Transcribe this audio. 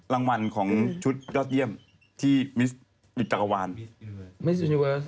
รางวัลของชุดรอดเยี่ยมที่มิสอินเวิร์ส